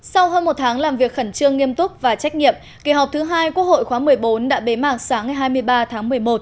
sau hơn một tháng làm việc khẩn trương nghiêm túc và trách nhiệm kỳ họp thứ hai quốc hội khóa một mươi bốn đã bế mạc sáng ngày hai mươi ba tháng một mươi một